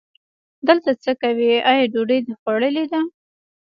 دلته څه کوې، آیا ډوډۍ دې خوړلې ده؟